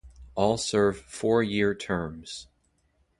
All serve four year terms.